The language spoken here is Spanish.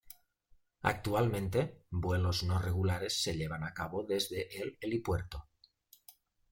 Actualmente, vuelos no regulares se llevan a cabo desde el helipuerto.